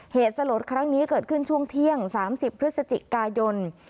เหตุสลดครั้งนี้เกิดขึ้นช่วงเที่ยง๓๐พฤศจิกายน